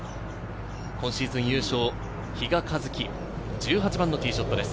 今シーズン優勝、比嘉一貴、１８番のティーショットです。